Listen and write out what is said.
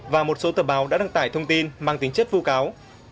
và một số tờ báo đã đăng tải thông tin mang tính chất vụ cáo